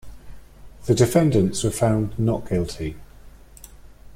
The defendants were found not guilty.